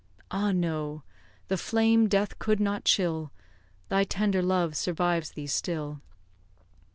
Ah, no! the flame death could not chill, Thy tender love survives thee still.